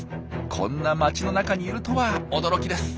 こんな街の中にいるとは驚きです。